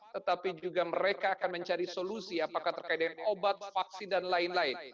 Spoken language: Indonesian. tetapi juga mereka akan mencari solusi apakah terkait dengan obat vaksin dan lain lain